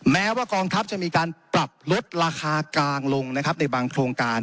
แม้ว่ากองทัพจะมีการปรับลดราคากลางลงนะครับในบางโครงการ